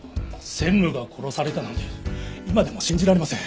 専務が殺されたなんて今でも信じられません。